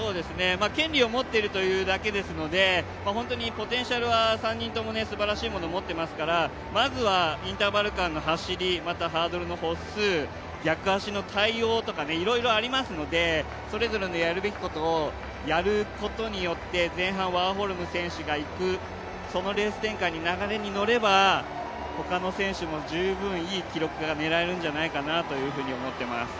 権利を持っているというだけですのでポテンシャルは本当に３人ともすばらしいものを持っていますからまずはインターバル間の走り、またハードルの歩数、逆足の対応とかいろいろありますので、それぞれのやるべきことをやることによって、前半、ワーホルム選手が行く、そのレース展開の流れに乗れば他の選手も十分いい記録が見られるんじゃないかなと思っています。